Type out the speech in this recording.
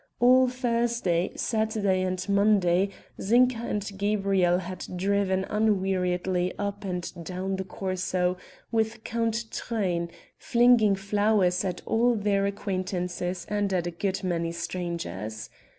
All Thursday, Saturday, and Monday Zinka and Gabrielle had driven unweariedly up and down the Corso with Count Truyn, flinging flowers at all their acquaintances and at a good many strangers.